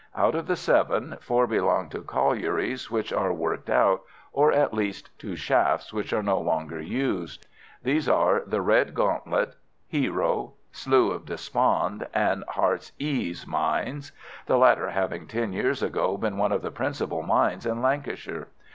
Out of the seven, four belong to collieries which are worked out, or at least to shafts which are no longer used. These are the Redgauntlet, Hero, Slough of Despond, and Heartsease mines, the latter having ten years ago been one of the principal mines in Lancashire.